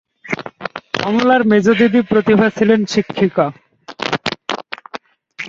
কমলার মেজ দিদি প্রতিভা ছিলেন শিক্ষিকা।